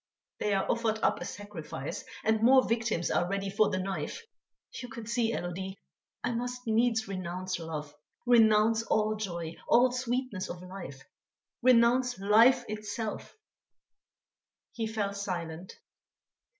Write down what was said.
They are offered up a sacrifice, and more victims are ready for the knife!... You can see, Élodie, I must needs renounce love, renounce all joy, all sweetness of life, renounce life itself." He fell silent.